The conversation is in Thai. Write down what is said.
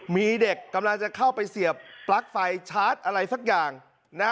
มีเด็กกำลังจะเข้าไปเสียบปลั๊กไฟชาร์จอะไรสักอย่าง